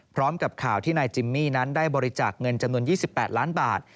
พร้อมกับข่าวที่นายจิมมี่นั้นได้บริจาคเงินจำนวน๒๘ล้านบาท